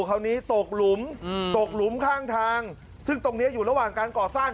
คราวนี้ตกหลุมตกหลุมข้างทางซึ่งตรงนี้อยู่ระหว่างการก่อสร้าง